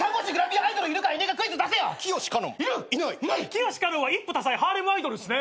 清可恩は一夫多妻ハーレムアイドルっすね。